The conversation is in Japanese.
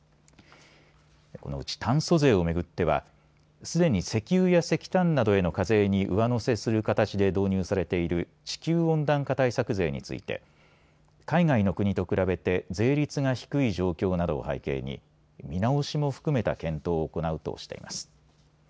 このうち炭素税を巡ってはすでに石油や石炭などへの課税に上乗せする形で導入されている地球温暖化対策税について海外の国と比べて税率が低い状況などを背景に見直しも含めた検討を行うとしています。